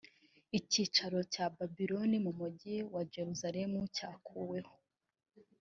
Icyicaro cya Babylon mu mugi wa Jerusalem cyakuweho